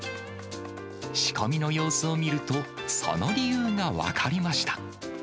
仕込みの様子を見ると、その理由が分かりました。